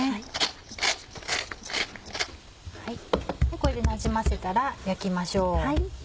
これでなじませたら焼きましょう。